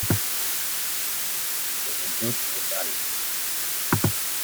Según Judd "et al.